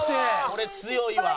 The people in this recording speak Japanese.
これ強いわ。